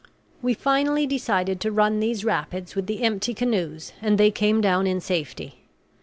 We finally decided to run these rapids with the empty canoes, and they came down in safety.